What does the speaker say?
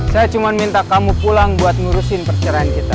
saya cuma minta kamu pulang buat ngurusin perceraian kita